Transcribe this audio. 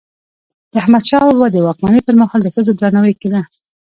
د احمدشاه بابا د واکمني پر مهال د ښځو درناوی کيده.